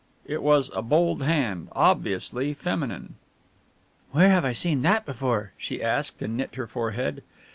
It was a bold hand, obviously feminine. "Where have I seen that before?" she asked, and knit her forehead.